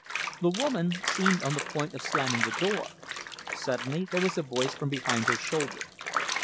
The woman seemed on the point of slamming the door. Suddenly there was a voice from behind her shoulder.